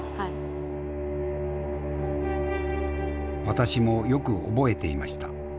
私もよく覚えていました。